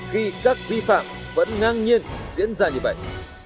khi các vi phạm vẫn ngang nhiên diễn ra như vậy